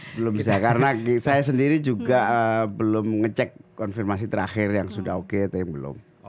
belum bisa karena saya sendiri juga belum ngecek konfirmasi terakhir yang sudah oke atau yang belum